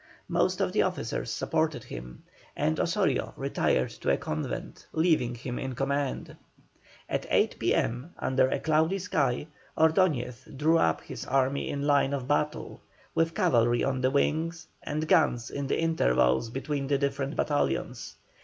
Most of the officers supported him, and Osorio retired to a convent, leaving him in command. At 8 P.M., under a cloudy sky, Ordoñez drew up his army in line of battle, with cavalry on the wings and guns in the intervals between the different battalions.